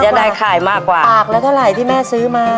นายขายมากกว่าปากละเท่าไหร่ที่แม่ซื้อมา